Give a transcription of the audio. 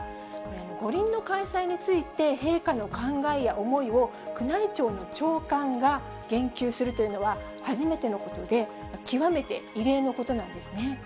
五輪の開催について、陛下の考えや思いを、宮内庁の長官が言及するというのは初めてのことで、極めて異例のことなんですね。